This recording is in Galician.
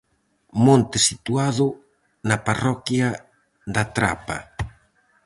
Monte situado na parroquia da Trapa.